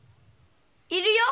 いるよ